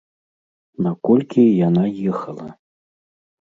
На колькі яна ехала?